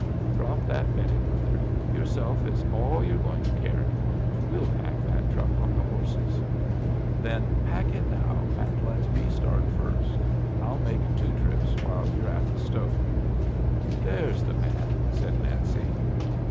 Drop that bedding mother! Yourself is all you're going to carry. We'll pack that truck on the horses." "Then pack it now and let me start first. I'll make two trips while you're at the stove." "There's the man!" said Nancy.